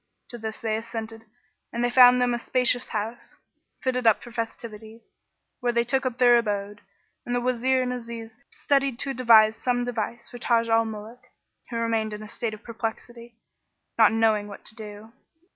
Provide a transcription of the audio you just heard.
To this they assented and they found them a spacious house, fitted up for festivities, where they took up their abode, and the Wazir and Aziz studied to devise some device for Taj al Muluk, who remained in a state of perplexity, knowing not what to do.